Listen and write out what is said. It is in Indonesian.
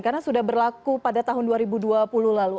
karena sudah berlaku pada tahun dua ribu dua puluh lalu